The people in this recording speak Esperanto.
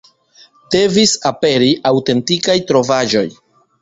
Devis aperi aŭtentikaj trovaĵoj.